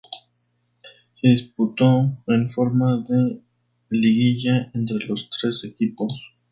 Se disputó en forma de liguilla entre los tres equipos.